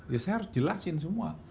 ya saya harus jelasin semua